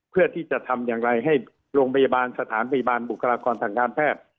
เพื่อที่จะทำอย่างไรให้โรงพยาบาลสถานพยาบาลบุคลากรทางการแพทย์